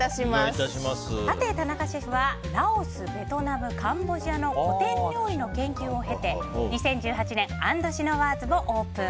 田中シェフはラオス、ベトナム、カンボジアの古典料理の研究を経て２０１８年アンドシノワーズをオープン。